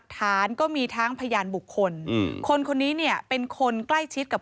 แต่ก็เรื่องอื่นแล้วค่อยคิดอีกที